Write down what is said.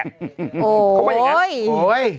เขาว่าอย่างนั้น